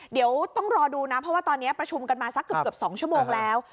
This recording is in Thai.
เดี๋ยวต้องรอดูนะเพราะว่าตอนนี้ประชุมกันมาสักเกือบ๒ชั่วโมงแล้ว